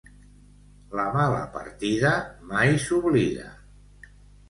La mala partida mai s'oblida.